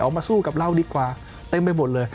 มาสู้กับเราดีกว่าเต็มไปหมดเลย